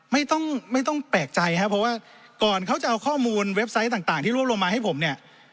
ไม่ต้องไม่ต้องแปลกใจครับเพราะว่าก่อนเขาจะเอาข้อมูลเว็บไซต์ต่างที่รวบรวมมาให้ผมเนี่ย